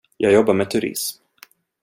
Jag jobbar med turism.